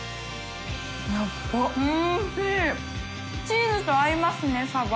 複截腺邸チーズと合いますねサバ。